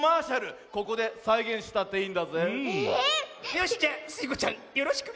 ⁉よしじゃスイ子ちゃんよろしく！